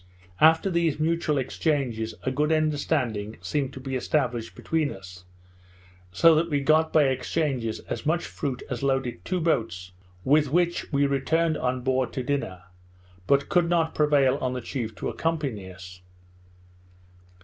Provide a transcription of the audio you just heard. After these mutual exchanges, a good understanding seemed to be established between us; so that we got by exchanges as much fruit as loaded two boats, with which we returned on board to dinner; but could not prevail on the chief to accompany us.